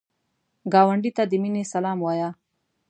ګاونډي ته د مینې سلام وایه